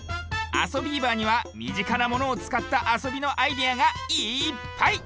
「あそビーバー」にはみぢかなものをつかったあそびのアイデアがいっぱい！